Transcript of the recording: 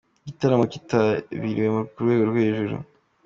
Igitaramo kitabiriwe ku rwego rwo hejuru.